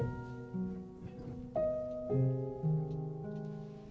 kekuatan yang lebih baik